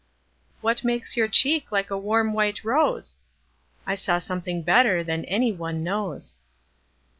What makes your cheek like a warm white rose?I saw something better than any one knows.